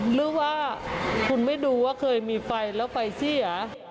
หรือว่าคุณไม่ดูว่าเคยมีไฟแล้วไฟเสีย